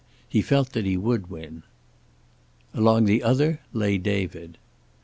He felt that he would win. Along the other lay David.